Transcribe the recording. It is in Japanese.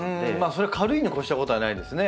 それは軽いに越したことはないですね